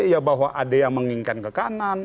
ya bahwa ada yang menginginkan ke kanan